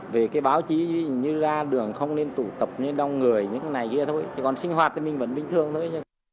về cái báo chí như ra đường không nên tụ tập như đong người những cái này kia thôi còn sinh hoạt thì mình vẫn bình thường thôi